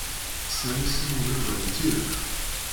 Ssnen isem n Yuba n tidet?